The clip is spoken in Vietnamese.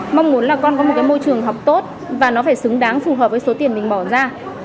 mong muốn là con có một cái môi trường học tốt và nó phải xứng đáng phù hợp với số tiền mình bỏ ra